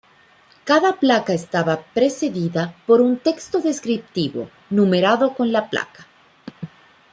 Cada placa estaba precedida por un texto descriptivo, numerado con la placa.